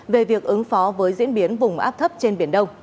về việc ứng phó với diễn biến vùng áp thấp trên biển đông